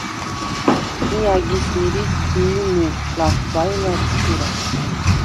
მი ა̈გის მირიხ: დი̄ჲმუ, ლახვბა ი ლადჩურა.